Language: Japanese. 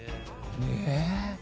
え。